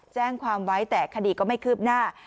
แจ้งความไว้แต่คดีก็ไม่คืบหน้า